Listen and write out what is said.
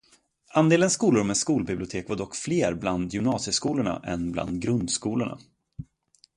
Andelen skolor med skolbibliotek var dock fler bland gymnasieskolorna än bland grundskolorna.